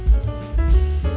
lalu memilih tuhan